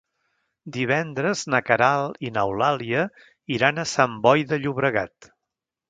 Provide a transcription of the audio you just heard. Divendres na Queralt i n'Eulàlia iran a Sant Boi de Llobregat.